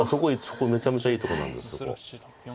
めちゃめちゃいいとこなんですそこ。